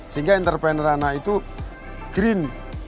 sehingga yang terperaner anak itu green